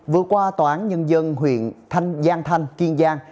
vừa qua tòa án nhân dân huyện thanh giang thanh kiên giang